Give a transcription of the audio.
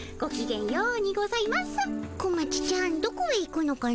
小町ちゃんどこへ行くのかの？